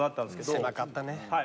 狭かったね。